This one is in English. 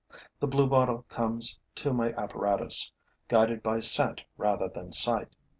The bluebottle comes to my apparatus, guided by scent rather than sight.